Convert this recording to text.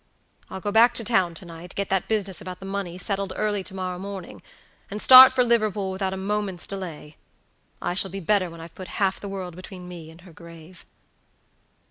I'll go back to town to night, get that business about the money settled early to morrow morning, and start for Liverpool without a moment's delay. I shall be better when I've put half the world between me and her grave."